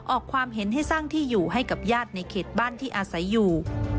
ออกความเห็นให้สร้างที่อยู่ให้กับญาติในเขตบ้านที่อาศัยอยู่